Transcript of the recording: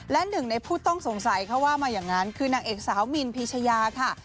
และหนึ่งในผู้ต้องสงสัยเขาว่ามาอย่างนั้นคือนางเอกสาวมินพีชยาค่ะ